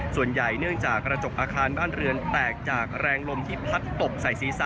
ส่วนใหญ่เนื่องจากกระจกอาคารบ้านเรือนแตกจากแรงลมที่พัดตกใส่ศีรษะ